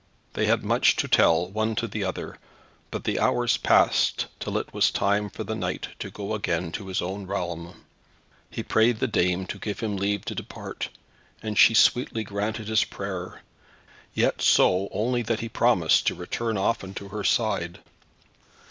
They had much to tell one to the other, but the hours passed till it was time for the knight to go again to his own realm. He prayed the dame to give him leave to depart, and she sweetly granted his prayer, yet so only that he promised to return often to her side.